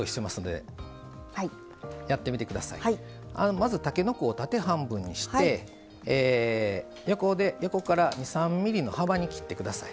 まずたけのこを縦半分にして横から２３ｍｍの幅に切ってください。